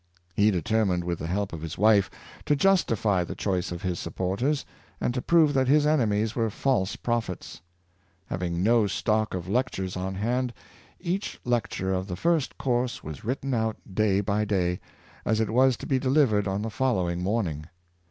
He determined, with the help of his wife, to justify the choice of his supporters, and to prove that his enemies were false prophets. Having no stock of lectures on hand, each lecture of the first course was written out day by day, as it was to be delivered on the following morning.